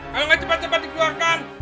kalau nggak cepat cepat dikeluarkan